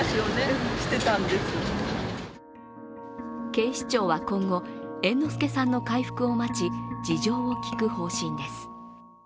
警視庁は今後、猿之助さんの回復を待ち事情を聴く方針です。